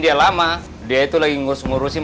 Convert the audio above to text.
dia lama dia itu lagi ngurus ngurusin